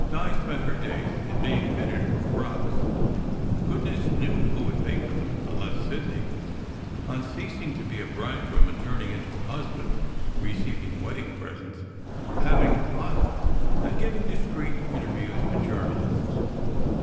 Di spent her days in being fitted for frocks (goodness knew who would pay for them, unless Sidney, on ceasing to be a bridegroom and turning into a husband), receiving wedding presents, having pho tographs taken, and giving discreet interviews to jour nalists.